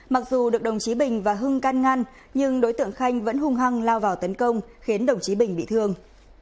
mặc dù được đồng chí bình và hưng can ngăn nhưng đối tượng khanh vẫn hung hăng lao vào tấn công khiến đồng chí bình bị thương